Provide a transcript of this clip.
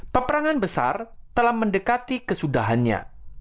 peperangan besar telah mendekati kesudahannya